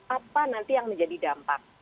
apa nanti yang menjadi dampak